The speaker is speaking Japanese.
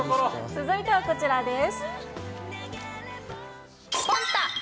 続いてはこちらです。